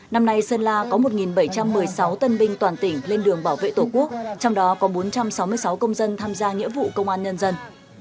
năm nay sơn la có một bảy trăm một mươi sáu tân binh toàn tỉnh lên đường bảo vệ tổ quốc trong đó có bốn trăm sáu mươi sáu công dân tham gia nghĩa vụ công an nhân dân